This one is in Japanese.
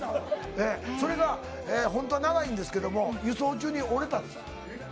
それが本当は長いんですけど、輸送中に折れたんです。